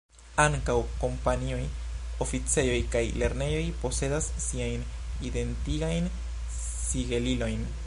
Ankaŭ kompanioj, oficejoj kaj lernejoj posedas siajn identigajn sigelilojn.